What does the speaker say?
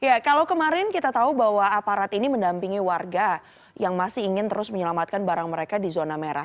ya kalau kemarin kita tahu bahwa aparat ini mendampingi warga yang masih ingin terus menyelamatkan barang mereka di zona merah